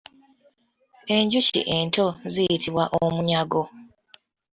Enjuki ento ziyitibwa omunyago.